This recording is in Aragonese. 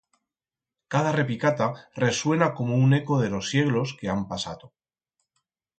Cada repicata resuena como un eco de ros sieglos que han pasato.